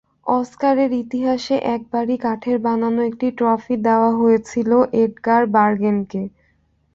অস্কারের ইতিহাসে একবারই কাঠের বানানো একটি ট্রফি দেওয়া হয়েছিল এডগার বার্গেনকে।